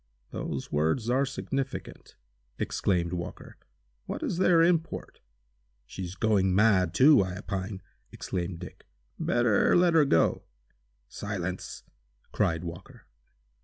"Those words are significant!" exclaimed Walker. "What is their import?" "She's going mad, too, I opine!" exclaimed Dick. "Better let her go!" "Silence!" cried Walker.